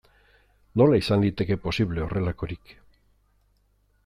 Nola izan liteke posible horrelakorik?